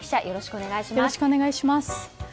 よろしくお願いします。